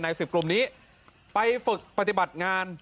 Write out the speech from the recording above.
๑๐กลุ่มนี้ไปฝึกปฏิบัติงาน